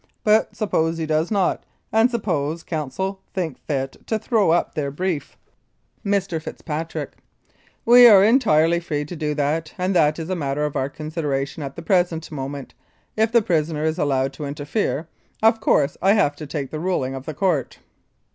But suppose he does not ; and suppose counsel think fit to throw up their brief? 205 Mounted Police Life in Canada Mr. FITZPATRICK: We are entirely free to do that, and that is matter for our consideration at the present moment, if the prisoner is allowed to interfere. Of course, I have to take the ruling of the Court.